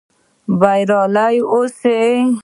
بریالي اوسئ؟